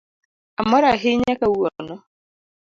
Amor ahinya kawuono